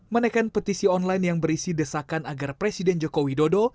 menekan petisi online yang berisi desakan agar presiden joko widodo